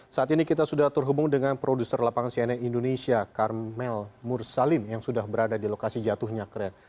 saat ini kita sudah terhubung dengan produser lapangan cnn indonesia karmel mursalim yang sudah berada di lokasi jatuhnya kren